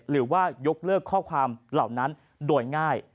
หรือว่ายกเลิกข้อความเหล่านั้นโดยง่าย